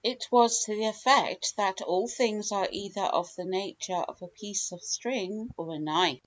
It was to the effect that all things are either of the nature of a piece of string or a knife.